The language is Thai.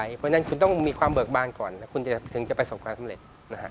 เพราะฉะนั้นคุณต้องมีความเบิกบานก่อนแล้วคุณถึงจะประสบความสำเร็จ